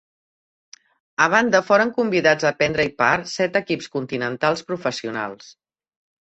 A banda foren convidats a prendre-hi part set equips continentals professionals.